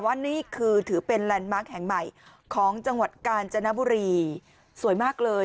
นี่คือถือเป็นแลนด์มาร์คแห่งใหม่ของจังหวัดกาญจนบุรีสวยมากเลย